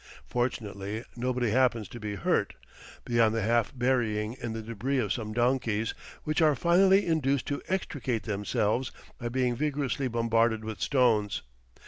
Fortunately, nobody happens to be hurt, beyond the half burying in the debris of some donkeys, which are finally induced to extricate themselves by being vigorously bombarded with stones.